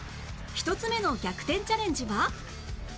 １つ目の逆転チャレンジは？